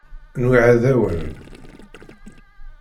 Nweεεed-awen.